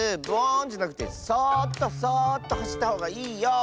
ブオーンじゃなくてそっとそっとはしったほうがいいよ。